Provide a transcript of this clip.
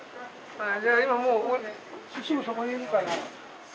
ああじゃあ今もうすぐそこにいるから。